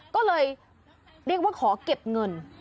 ก็เลยเรียกว่าขอเก็บเงิน